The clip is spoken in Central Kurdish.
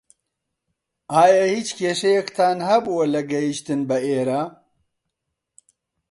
ئایا هیچ کێشەیەکتان هەبووە لە گەیشتن بە ئێرە؟